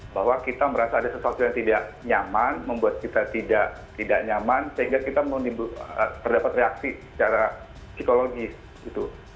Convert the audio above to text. bahwa kita merasa ada sesuatu yang tidak nyaman membuat kita tidak nyaman sehingga kita terdapat reaksi secara psikologis gitu